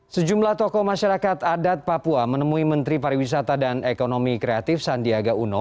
sejumlah tokoh masyarakat adat papua menemui menteri pariwisata dan ekonomi kreatif sandiaga uno